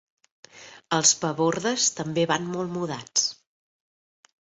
Els Pabordes també van molt mudats.